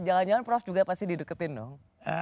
jangan jangan prof juga pasti dideketin dong